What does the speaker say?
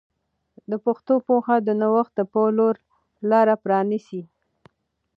د پښتو پوهه د نوښت په لور لاره پرانیسي.